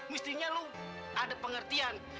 mestinya lu ada pengertian